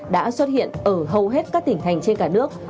đã xuất hiện ở hầu hết các tỉnh thành trên cả nước